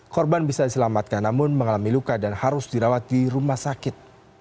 korban bisa diselamatkan namun mengalami luka dan harus dirawat di rumah sakit